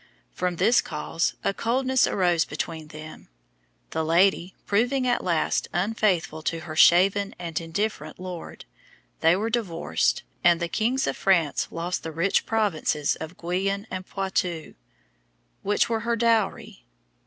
From this cause a coldness arose between them. The lady proving at last unfaithful to her shaven and indifferent lord, they were divorced, and the kings of France lost the rich provinces of Guienne and Poitou, which were her dowry.